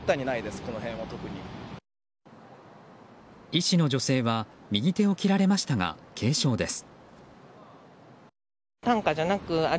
医師の女性は右手を切られましたが軽傷です。